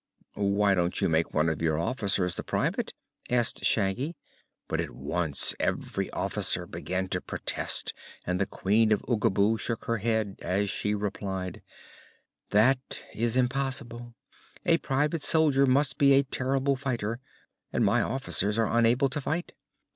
"Why don't you make one of your officers the Private?" asked Shaggy; but at once every officer began to protest and the Queen of Oogaboo shook her head as she replied: "That is impossible. A private soldier must be a terrible fighter, and my officers are unable to fight.